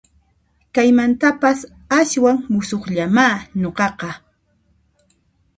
Kaymantapas aswan musuqllamá nuqaqqa